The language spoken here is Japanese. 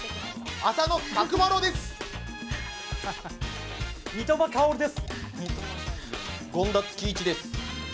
浅野拓磨呂です。